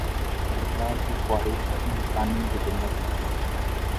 بقا کی خواہش انسانی جبلت ہے۔